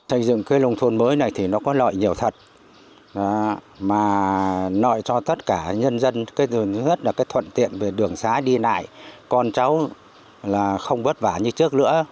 xây dựng cây nông thôn mới này thì nó có loại nhiều thật mà loại cho tất cả nhân dân cây nông thôn nhất là cái thuận tiện về đường xá đi lại con cháu là không bất vả như trước nữa